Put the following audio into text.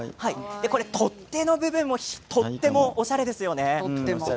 取っ手の部分もおしゃれですよね。